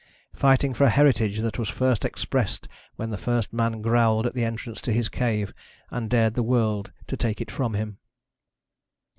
Fighting for a heritage that was first expressed when the first man growled at the entrance to his cave and dared the world to take it from him.